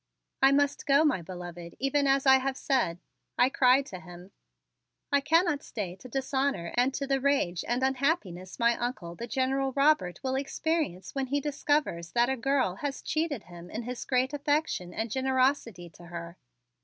"I must go, my beloved, even as I have said," I cried to him. "I cannot stay to my dishonor and to the rage and unhappiness my Uncle, the General Robert, will experience when he discovers that a girl has cheated him in his great affection and generosity to her.